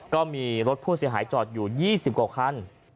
ก็มีรถผู้เสียหายจอดอยู่๒๐กว่าคัน